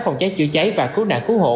phòng cháy chữa cháy và cứu nạn cứu hộ